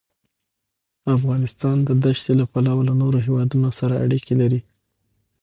افغانستان د دښتې له پلوه له نورو هېوادونو سره اړیکې لري.